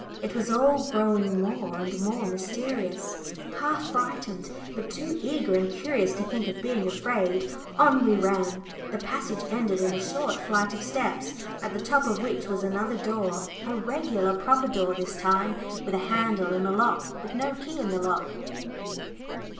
It was all growing more and more mysterious; half frightened, but too eager and curious to think of being afraid, on we ran. The passage ended in a short flight of steps, at the top of which was another door, a regular proper door this time, with a handle and a lock, but no key in the lock.